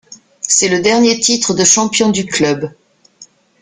C'est le dernier titre de champion du club.